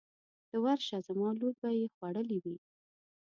ته ورشه زما لور به یې خوړلې وي.